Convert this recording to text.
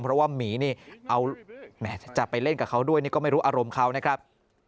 เพราะว่าหมีนี่เอาแหมจะไปเล่นกับเขาด้วยนี่ก็ไม่รู้อารมณ์เขานะครับ